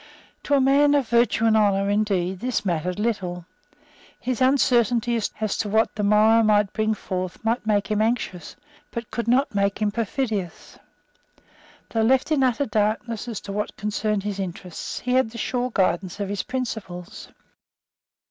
To a man of virtue and honour, indeed, this mattered little. His uncertainty as to what the morrow might bring forth might make him anxious, but could not make him perfidious. Though left in utter darkness as to what concerned his interests, he had the sure guidance of his principles.